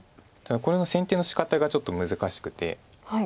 ただこれの先手のしかたがちょっと難しくて。